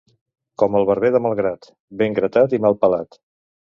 Com el barber de Malgrat, ben gratat i mal pelat.